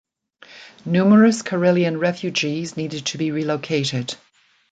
Numerous Karelian refugees needed to be relocated.